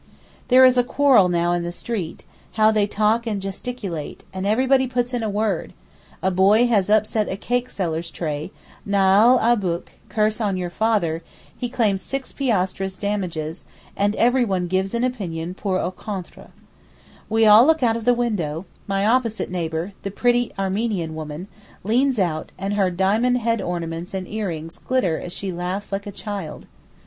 There is a quarrel now in the street; how they talk and gesticulate, and everybody puts in a word; a boy has upset a cake seller's tray, 'Naal Abu'k!' (Curses on your father) he claims six piastres damages, and everyone gives an opinion pour ou contre. We all look out of the window; my opposite neighbour, the pretty Armenian woman, leans out, and her diamond head ornaments and earrings glitter as she laughs like a child.